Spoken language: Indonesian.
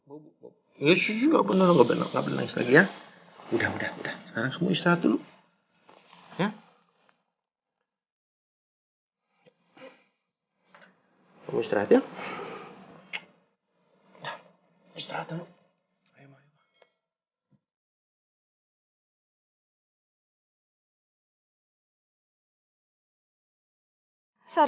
aku bisa membalasnya dengan cinta